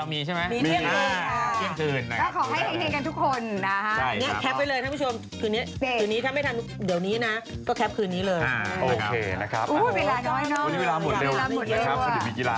วันนี้เวลาหมดเร็วนะครับ